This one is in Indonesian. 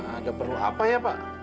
ada perlu apa ya pak